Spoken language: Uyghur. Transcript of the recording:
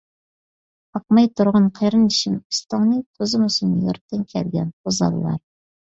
قاقماي تۇرغىن قېرىندىشىم ئۈستۈڭنى، توزۇمىسۇن يۇرتتىن كەلگەن توزانلار.